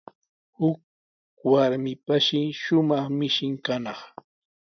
Huk warmipashi shumaq mishin kanaq.